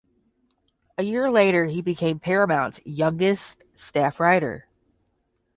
A year later he became Paramount's youngest staff writer.